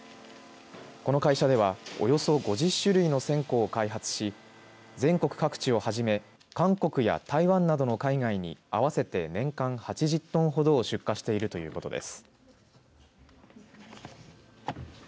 この会社ではおよそ５０種類の線香を開発し全国各地をはじめ韓国や台湾などの海外に合わせて年間８０トンほどを出荷しているということです。